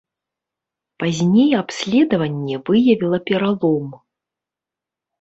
Пазней абследаванне выявіла пералом.